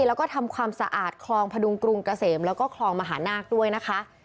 แล้วก็ทำความสะอาดคลองพดุงกรุงเกษมแล้วก็คลองมหานาคด้วยนะคะ